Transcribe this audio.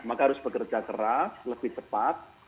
maka harus bekerja keras lebih cepat